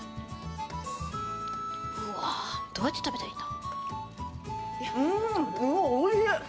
どうやって食べたらいいんだ？